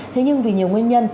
thế nhưng vì nhiều nguyên nhân